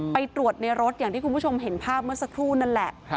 ไปตรวจในรถอย่างที่คุณผู้ชมเห็นภาพเมื่อสักครู่นั่นแหละ